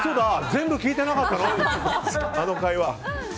全部聞いてなかったのあの会話。